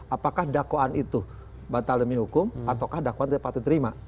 apakah dakwaan itu bantah demi hukum ataukah dakwaan terima